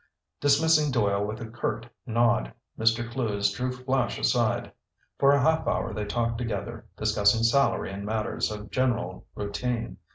Dismissing Doyle with a curt nod, Mr. Clewes drew Flash aside. For a half hour they talked together, discussing salary and matters of general routine.